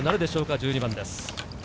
１２番です。